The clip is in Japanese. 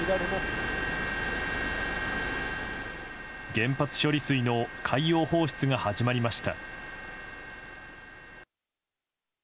原発処理水の海洋放出が始まりました。